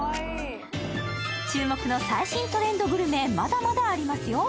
注目の最新トレンドグルメ、まだまだありますよ。